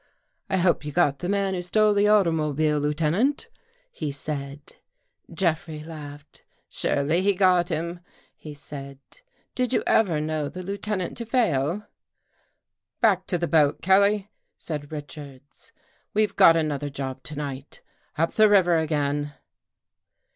" I hope you got the man who stole the automobile, Lieuten ant," he said. Jeffrey laughed. " Surely he got him," he said. " Did you ever know the Lieutenant to fail? "" Back to the boat, Kelly," said Richards. " We've got another job to night. Up the river again."